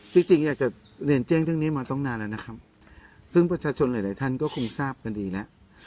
จริงอยากจะเรียนแจ้งเรื่องนี้มาตั้งนานแล้วนะครับซึ่งประชาชนหลายหลายท่านก็คงทราบกันดีแล้ว